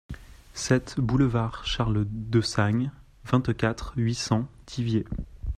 sept boulevard Charles Dessagne, vingt-quatre, huit cents, Thiviers